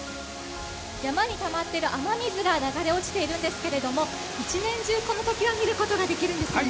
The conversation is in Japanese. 山にたまっている雨水が流れ落ちているんですけれども１年中この滝を見ることができるんですよね。